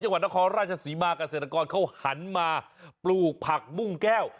จังหวัดนครราชศรีมาเกษตรกรเขาหันมาปลูกผักบุ้งแก้ว